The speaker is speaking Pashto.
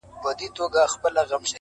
شپه سوه تېره پر اسمان ختلی لمر دی-